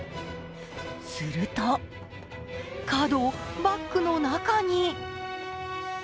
するとカードをバッグの中に。